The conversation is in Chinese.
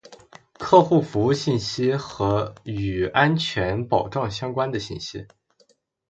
·客户服务信息和与安全保障相关的信息。